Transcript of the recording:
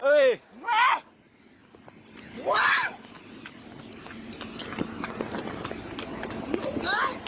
มึงลูกไอ้